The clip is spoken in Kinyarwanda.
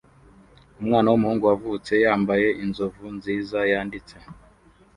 umwana wumuhungu wavutse yambaye inzovu nziza yanditse